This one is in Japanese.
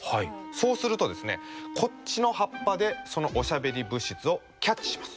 そうするとこっちの葉っぱでそのおしゃべり物質をキャッチします。